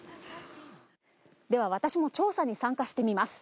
では私も調査に参加してみます。